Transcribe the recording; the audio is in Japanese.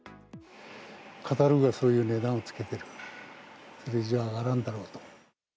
カタログがそういう値段をつけてる、これ以上は上がらんだろうと。